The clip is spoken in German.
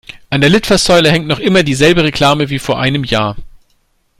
An der Litfaßsäule hängt noch immer dieselbe Reklame wie vor einem Jahr.